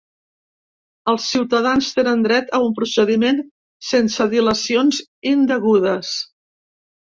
Els ciutadans tenen dret a un procediment sense dilacions indegudes.